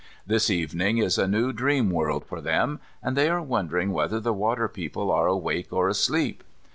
This evening is a new dream world for them, and they are wondering whether the water people are awake or asleep.